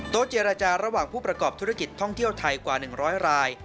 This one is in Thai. เจรจาระหว่างผู้ประกอบธุรกิจท่องเที่ยวไทยกว่า๑๐๐ราย